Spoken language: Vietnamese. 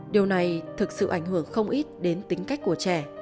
điều này thực sự ảnh hưởng không ít đến tính cách của trẻ